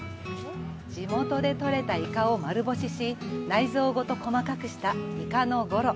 地元でとれたイカを丸干しし内臓ごと細かくした、イカのゴロ。